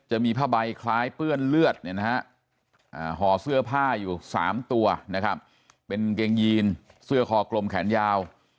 จะมีผ้าใบคล้ายเปื้อนเลือดห่อเสื้อผ้าอยู่๓ตัวนะครับเป็นกางเกงยีนเสื้อคอกลมแขนยาว